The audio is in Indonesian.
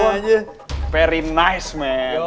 sangat baik men